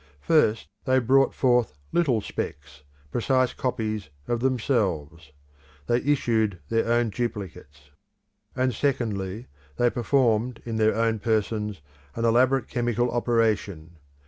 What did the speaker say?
First, they brought forth little specks, precise copies of themselves: they issued their own duplicates. And secondly, they performed in their own persons an elaborate chemical operation.